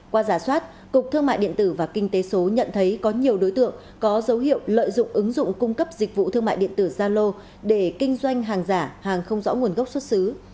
qua giả soát cục thương mại điện tử và kinh tế số nhận thấy có nhiều đối tượng có dấu hiệu lợi dụng ứng dụng cung cấp dịch vụ thương mại điện tử gia lô để kinh doanh hàng giả hàng không rõ nguồn gốc xuất xứ